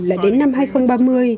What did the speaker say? là đến năm hai nghìn ba mươi